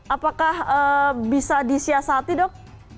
apakah bisa disiasati dok